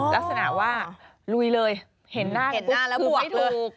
ลักษณะว่าลุยเลยเห็นหน้าแล้วปลูกไม่ถูก